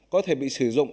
có thể bị sử dụng